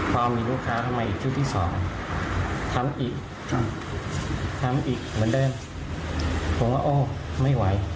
พอมีลูกค้าเข้ามาอีกชุดที่สองทำอีกทำอีกเหมือนเดิมผมก็โอ้ไม่ไหว